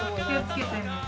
気を付けてね。